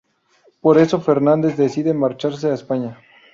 Por eso Fernández decide marcharse a España.